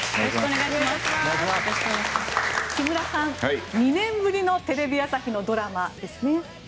木村さん、２年ぶりのテレビ朝日のドラマですね。